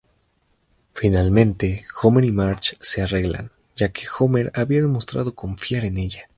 Finalmente, Homer y Marge se arreglan, ya que Homer había demostrado confiar en ella.